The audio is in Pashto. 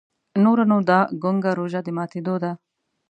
نوره نو دا ګونګه روژه د ماتېدو ده.